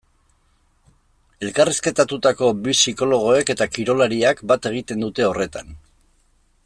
Elkarrizketatutako bi psikologoek eta kirolariak bat egiten dute horretan.